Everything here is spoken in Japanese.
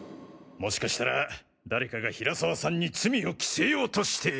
もしかしたら誰かが平沢さんに罪をきせようとして。